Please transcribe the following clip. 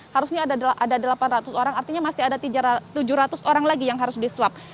harusnya ada delapan ratus orang artinya masih ada tujuh ratus orang lagi yang harus diswab